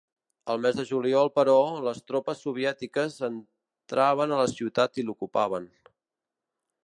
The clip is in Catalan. Al mes de juliol però, les tropes soviètiques entraven a la ciutat i l'ocupaven.